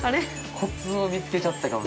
コツを見つけちゃったかも。